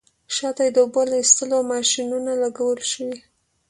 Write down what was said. شاته یې د اوبو را ایستلو ماشینونه لګول شوي.